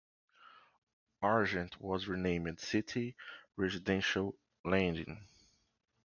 Argent was renamed Citi Residential Lending.